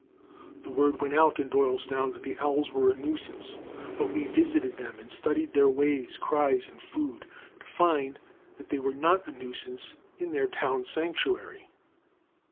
The word went out in Doylestown that the owls were a nuisance. But we visited them and studied their ways, cries, and food, to find that they were not a nuisance in their town sanctuary.